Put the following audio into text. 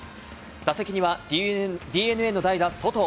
打席にはＤｅＮＡの代打、ソト。